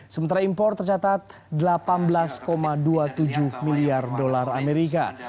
sementara impor tercatat delapan belas dua puluh tujuh miliar dolar amerika